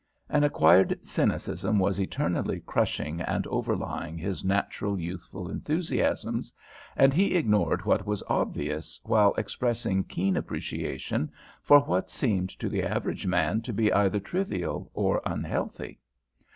An acquired cynicism was eternally crushing and overlying his natural youthful enthusiasms, and he ignored what was obvious while expressing keen appreciation for what seemed to the average man to be either trivial or unhealthy.